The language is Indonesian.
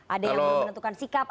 ada yang menentukan sikap